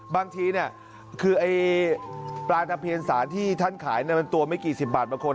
บางทีคือไอ้ปลาตะเพียนสารที่ท่านขายมันตัวไม่กี่สิบบาทบางคน